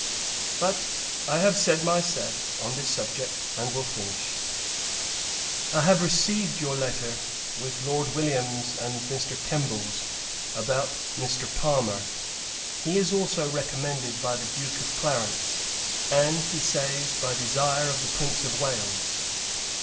But I have said my say, on this subject, and will finish. I have received your letter, with Lord William's and Mr. Kemble's, about Mr. Palmer: he is also recommended by the Duke of Clarence; and, he says, by desire of the Prince of Wales.